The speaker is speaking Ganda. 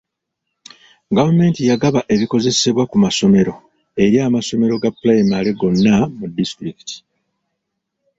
Gavumenti yagaba ebikozesebwa ku masomero eri amasomero ga pulayimale gonna mu disitulikiti.